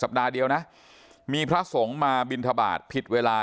สัปดาห์เดียวนะมีพระสงฆ์มาบิณฑบาตผิดเวลา